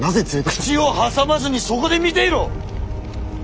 口を挟まずにそこで見ていろ！